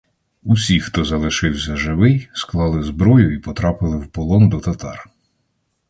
Усі, хто залишився живий, склали зброю і потрапили в полон до татар.